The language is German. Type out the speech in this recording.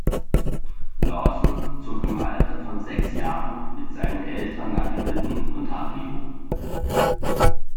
Lawson zog im Alter von sechs Jahren mit seinen Eltern nach Hamilton, Ontario.